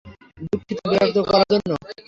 দুঃখিত বিরক্ত করার জন্য!